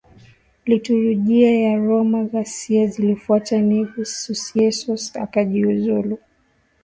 Liturujia ya Roma Ghasia zilifuata Negus Susneyos akajiuzulu